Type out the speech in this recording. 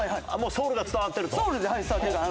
ソウルで伝わってるから。